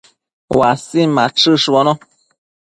uasin machëshbono